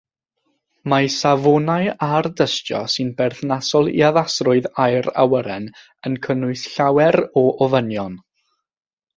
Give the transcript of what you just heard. Mae safonau ardystio sy'n berthnasol i addasrwydd aer awyren yn cynnwys llawer o ofynion.